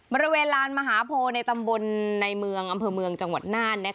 บริเวณลานมหาโพในตำบลในเมืองอำเภอเมืองจังหวัดน่าน